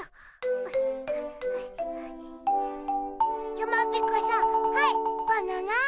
やまびこさんはいバナナ。